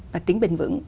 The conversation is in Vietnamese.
và tính bền vững